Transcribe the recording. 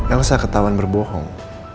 elsa ketahuan berbohong